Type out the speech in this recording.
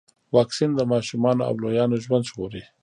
واکسین د ماشومانو او لویانو ژوند ژغوري.